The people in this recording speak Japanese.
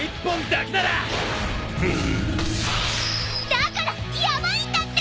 だからヤバいんだって！